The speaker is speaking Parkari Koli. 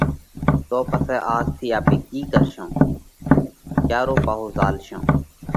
تو پسئہ آز ٿِي آپي ڪِي ڪرشون؟ ڪيا رو پاهو زهالشون